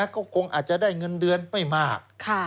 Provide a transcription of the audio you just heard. ก็คงอาจจะได้เงินเดือนไม่มาก